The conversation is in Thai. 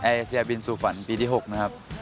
เอเซียบินสู่ฝันปีที่๖นะครับ